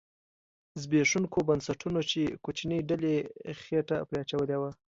زبېښوونکو بنسټونو چې کوچنۍ ډلې خېټه پرې اچولې وه